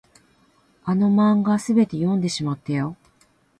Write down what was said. あの漫画、すべて読んでしまったよ。